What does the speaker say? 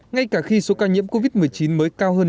ngay cả khi số ca nhiễm covid một mươi chín mới cao hơn